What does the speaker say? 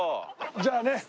じゃあね。